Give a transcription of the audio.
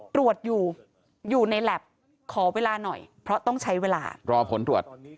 ตรวจอยู่อยู่ในแล็บขอเวลาหน่อยเพราะต้องใช้เวลารอผลตรวจ